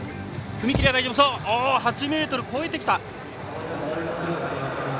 ８ｍを超えてきた。